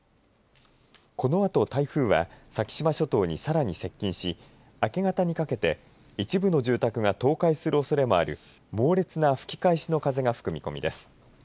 このあと台風は先島諸島にさらに接近し明け方にかけて一部の住宅が倒壊するおそれもある猛烈な吹き返しの風が吹く見込みです。